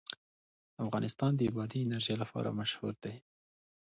افغانستان د بادي انرژي لپاره مشهور دی.